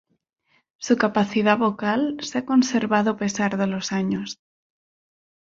Su capacidad vocal se ha conservado a pesar de los años.